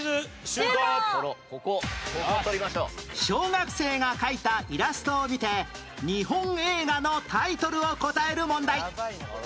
小学生が描いたイラストを見て日本映画のタイトルを答える問題